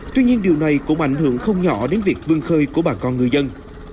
tuy nhiên điều này cũng ảnh hưởng không nhỏ đến việc vương khơi của bà con người dân